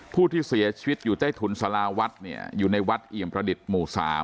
ผู้ที่เสียชีวิตอยู่ใต้ถุนสาราวัดเนี่ยอยู่ในวัดเอี่ยมประดิษฐ์หมู่๓